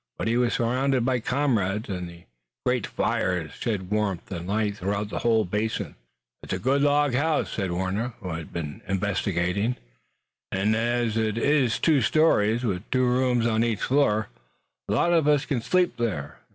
But he was surrounded by comrades and the great fires shed warmth and light throughout the whole basin. "It's a good log house," said Warner, who had been investigating, "and as it's two stories, with two rooms on each floor, a lot of us can sleep there.